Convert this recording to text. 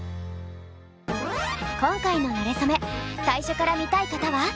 今回の「なれそめ」最初から見たい方は。